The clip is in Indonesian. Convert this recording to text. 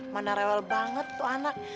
mana rewel banget tuh anak